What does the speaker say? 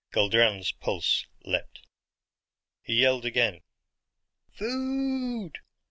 Guldran's pulse leaped. He yelled again, "Food!"